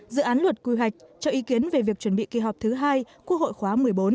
dự án luật quy hoạch cho ý kiến về việc chuẩn bị kỳ họp thứ hai quốc hội khóa một mươi bốn